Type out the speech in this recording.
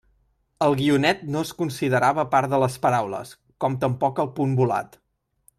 El guionet no es considerava part de les paraules, com tampoc el punt volat.